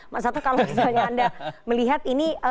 mas sato kalau misalnya anda melihat ini